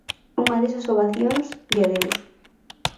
Unha desas ovacións de adeus.